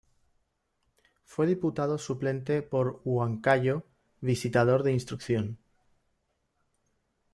Fue diputado suplente por Huancayo, visitador de instrucción.